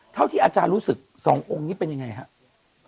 เท่าที่อาจารย์รู้สึก๒องค์นี้เป็นยังไงครับ